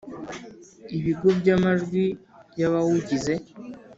Ibigo By’amajwi y’abawugize.